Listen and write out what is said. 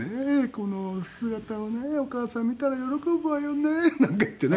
この姿をねお母さん見たら喜ぶわよね」なんか言ってね。